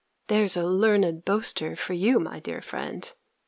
There's a learned boaster for you, my dear friend!